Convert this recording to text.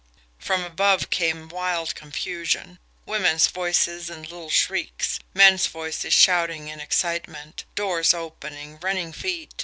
From above came wild confusion women's voices in little shrieks; men's voices shouting in excitement; doors opening, running feet.